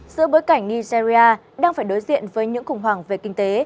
giữa bối cảnh nigeria đang phải đối diện với những khủng hoảng về kinh tế